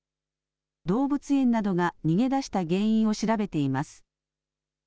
動物園などが逃げ出した原因を調べています。